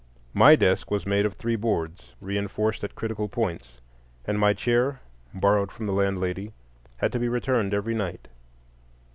My desk was made of three boards, reinforced at critical points, and my chair, borrowed from the landlady, had to be returned every night.